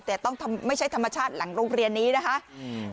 แต่ต้องไม่ใช่ธรรมชาติหลังโรงเรียนนี้นะคะอืม